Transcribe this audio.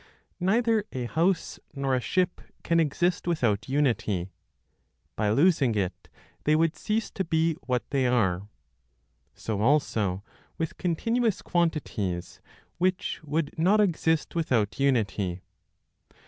Neither a house nor a ship can exist without unity; by losing it they would cease to be what they are. So also with continuous quantities which would not exist without unity.